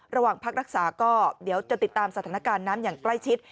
ระหว่างพักรักษาก็เดี๋ยวจะติดตามสถานการณ์น้ำอย่างใกล้ชิด